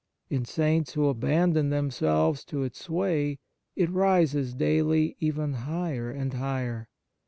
In Saints who abandon themselves to its sway, it rises daily ever higher and higher.